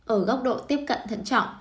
ở góc độ tiếp cận thận trọng